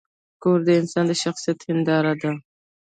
کور د انسان د شخصیت هنداره ده.